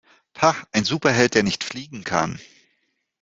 Pah, ein Superheld, der nicht fliegen kann!